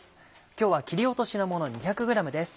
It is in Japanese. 今日は切り落としのもの２００ｇです。